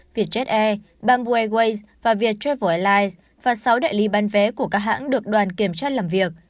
vietjet air bamboo airways và viettravel airlines và sáu đại lý bán vé của các hãng được đoàn kiểm tra làm việc